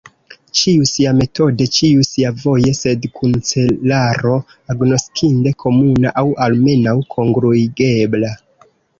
Ĉiu siametode, ĉiu siavoje, sed kun celaro agnoskinde komuna, aŭ almenaŭ kongruigebla.